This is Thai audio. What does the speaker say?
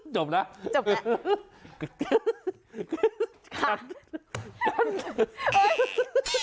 จบแล้ว